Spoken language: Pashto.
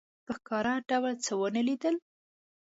په ښکاره ډول څه ونه لیدل.